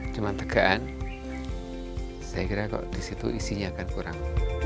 cuma tegaan saya kira kok di situ isinya akan kurang